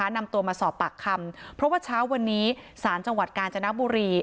นำตัวมาสอบปากคำเพราะว่าเช้าวันนี้ศาลจังหวัดกาญจนบุรี